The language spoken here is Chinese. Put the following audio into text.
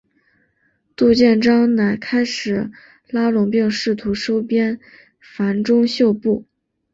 陆建章乃开始拉拢并试图收编樊钟秀部。